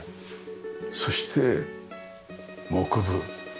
そして木部。